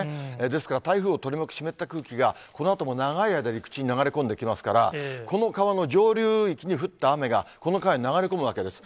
ですから、台風を取り巻く湿った空気が、このあとも長い間、陸地に流れ込んできますから、この川の上流域に降った雨が、この川に流れ込むわけです。